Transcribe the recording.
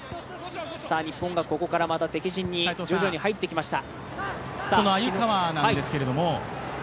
日本がここからまた敵陣に徐々に入ってきました。